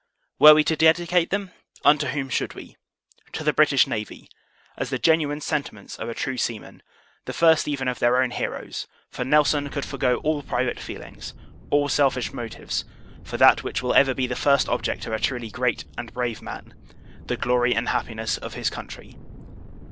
Were we to dedicate them, unto whom should we? To the BRITISH NAVY; as the genuine sentiments of a true seaman the first even of their own Heroes; for NELSON could forego all private feelings, all selfish motives, for that which will ever be the first object of a truly great and brave man the glory and happiness of his country.